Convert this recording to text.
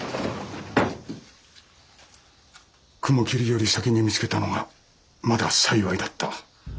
雲霧より先に見つけたのがまだ幸いだった。